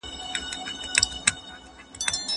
الله تعالی په دې اړه څه فرمايلي دي؟